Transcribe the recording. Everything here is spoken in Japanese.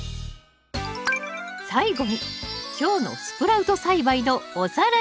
最後に今日のスプラウト栽培のおさらい。